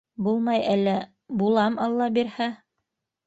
— Булмай әллә, булам, алла бирһә.